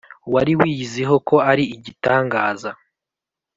wari wiyiziho ko ari igitangaza